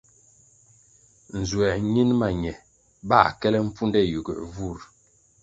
Nzuer ñin ma ñe bãh kele mpfunde yiguer vur.